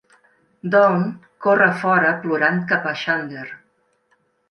Dawn corre a fora plorant cap a Xander.